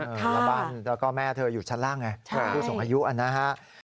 แล้วบ้านแล้วก็แม่เธออยู่ชั้นล่างไงคือส่งอายุอันนะฮะ